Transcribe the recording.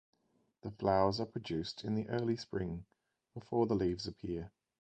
The flowers are produced in the early spring, before the leaves appear.